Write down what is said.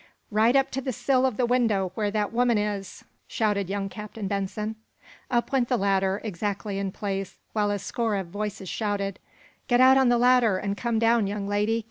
"Right up to the sill of the window where that woman is!" shouted young Captain Benson. Up went the ladder, exactly in place, while a score of voices shouted: "Get out on the ladder and come down, young lady!